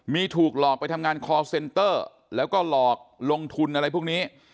มีถูกหลอกไปทำงานคอร์เซนเตอร์แล้วก็หลอกลงทุนอะไรพวกนี้